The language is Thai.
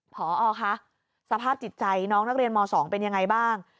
พอคะสภาพจิตใจน้องนักเรียนม๒เป็นยังไงบ้าง